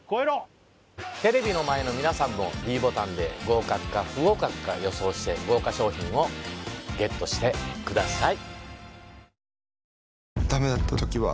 テレビの前の皆さんもｄボタンで合格か不合格か予想して豪華賞品をＧＥＴしてください